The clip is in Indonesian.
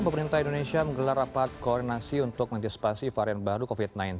pemerintah indonesia menggelar rapat koordinasi untuk mengantisipasi varian baru covid sembilan belas